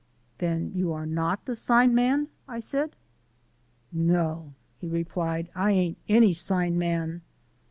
"Then you are not the sign man?" I said. "No," he replied, "I ain't any sign man."